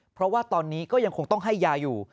เพราะว่าตอนนี้ก็ยังคงต้องให้ยาอยู่